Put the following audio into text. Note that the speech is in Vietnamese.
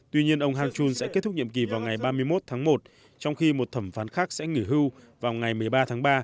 tuy nhiên ông hanchun sẽ kết thúc nhiệm kỳ vào ngày ba mươi một tháng một trong khi một thẩm phán khác sẽ nghỉ hưu vào ngày một mươi ba tháng ba